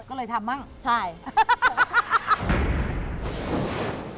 ก็เลยทำบ้างเหรอใช่ฮ่า